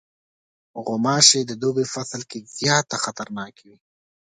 غوماشې د دوبی فصل کې زیاته خطرناکې وي.